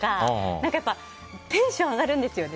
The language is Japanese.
何かテンションが上がるんですよね。